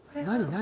何？